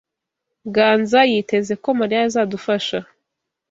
Ganza yiteze ko Mariya azadufasha.